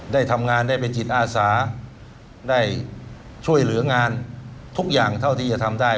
ได้ทำงานได้เป็นจิตอาสาได้ช่วยเหลืองานทุกอย่างเท่าที่จะทำได้